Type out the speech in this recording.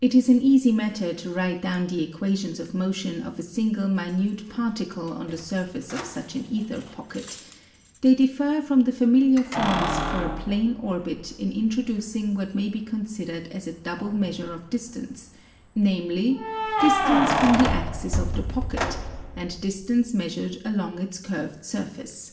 It is an easy matter to write down the equations of motion of a single minute particle on the surface of such an aether pocket ; they differ from the familiar forms for a plane orbit in introducing what may be considered as a double measure of distance, namely, distance from the axis of the pocket, and distance measured along its curved surface.